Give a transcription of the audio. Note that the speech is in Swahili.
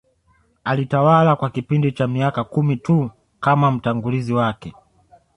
Alitawala kwa kipindi cha miaka kumi tu kama mtangulizi wake